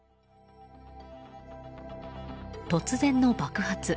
突然の爆発。